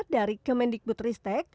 dari kemendikbut ristek